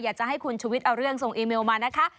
อยากจะให้คุณชุวิตเอาเรื่องส่งอีเมลมานะคะ